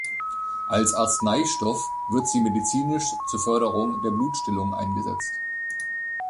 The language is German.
Als Arzneistoff wird sie medizinisch zur Förderung der Blutstillung eingesetzt.